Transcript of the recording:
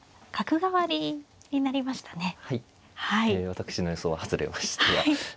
私の予想は外れましたが。